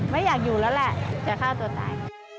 ไม่อยากอยู่แล้วแหละจะฆ่าตัวตาย